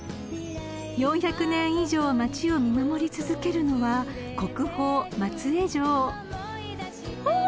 ［４００年以上街を見守り続けるのは国宝松江城］